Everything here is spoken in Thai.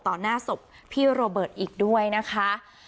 หน้าศพพี่โรเบิร์ตอีกด้วยนะคะ